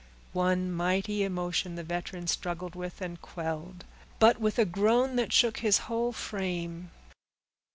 One mighty emotion the veteran struggled with, and quelled; but with a groan that shook his whole frame.